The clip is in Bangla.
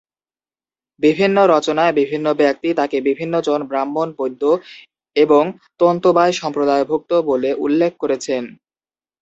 বিভিন্ন রচনায় বিভিন্ন ব্যক্তি তাকে বিভিন্ন জন ব্রাহ্মণ, বৈদ্য এবং তন্তুবায় সম্প্রদায়ভুক্ত বলে উল্লেখ করেছেন।